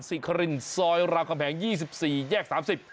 สิทธิ์ครินทรอยราบแผง๒๔แยก๓๐